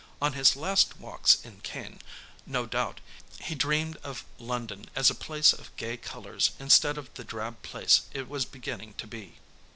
On his last walks in Caen, no doubt, he dreamed of London as a place of gay colours instead of the drab place it was beginning to be.